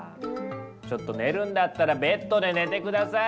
ちょっと寝るんだったらベッドで寝て下さい！